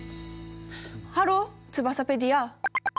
ハローツバサペディア！